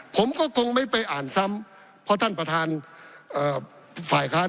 ผมก็คงไม่ไปอ่านซ้ำเพราะท่านประธานฝ่ายค้าน